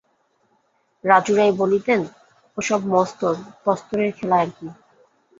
রাজু রায় বলিতেন-ও সব মস্তর-তস্তরের খেলা আর কি!